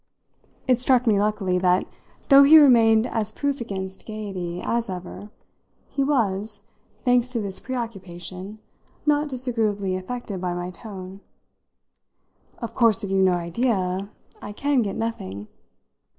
It struck me luckily that, though he remained as proof against gaiety as ever, he was, thanks to his preoccupation, not disagreeably affected by my tone. "Of course if you've no idea, I can get nothing."